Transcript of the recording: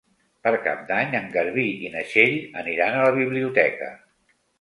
Per Cap d'Any en Garbí i na Txell aniran a la biblioteca.